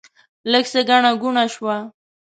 لږ څه ګڼه ګوڼه شوه.